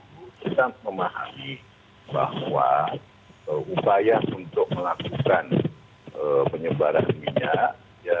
kita memahami bahwa upaya untuk melakukan penyebaran minyak ya